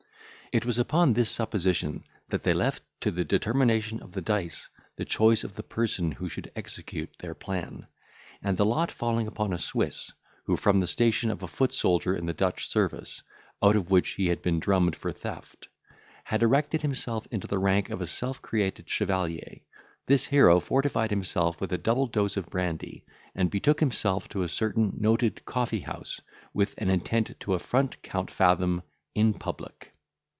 It was upon this supposition that they left to the determination of the dice the choice of the person who should execute their plan; and the lot falling upon a Swiss, who, from the station of a foot soldier in the Dutch service, out of which he had been drummed for theft, had erected himself into the rank of a self created chevalier, this hero fortified himself with a double dose of brandy, and betook himself to a certain noted coffee house, with an intent to affront Count Fathom in public.